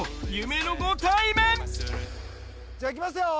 じゃあいきますよ。